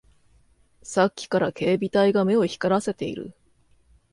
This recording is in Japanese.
さっきから警備隊が目を光らせている